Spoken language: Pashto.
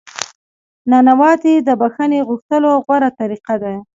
نانواتې د بخښنې غوښتلو غوره طریقه ده.